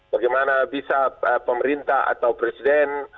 bagaimana bisa pemerintah atau presiden